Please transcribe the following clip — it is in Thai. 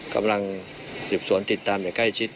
กำลังสืบสวนติดตามอย่างใกล้ชิด